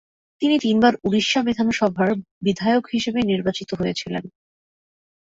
তিনি তিনবার উড়িষ্যা বিধানসভার বিধায়ক হিসেবে নির্বাচিত হয়েছিলেন।